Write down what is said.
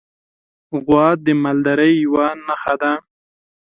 غوا د مالدارۍ یوه نښه ده.